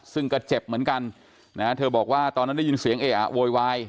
ซึ่งก็เจ็บเหมือนกันนะฮะเธอบอกว่าตอนนั้นได้ยินเสียงเออะโวยวาย